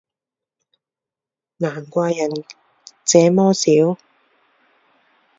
难怪人这么少